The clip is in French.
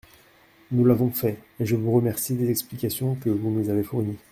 Nous l’avons fait, et je vous remercie des explications que vous nous avez fournies.